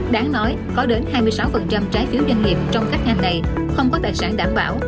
đáng nói có đến hai mươi sáu trái phiếu doanh nghiệp trong khách hàng này không có tài sản đảm bảo